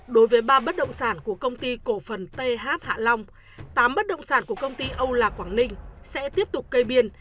đối với ba bất động sản của công ty cổ phần th hạ long tám bất động sản của công ty âu lạc quảng ninh sẽ tiếp tục cây biên